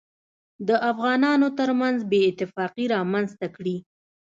دافغانانوترمنځ بې اتفاقي رامنځته کړي